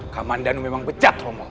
kamandanu memang becat romo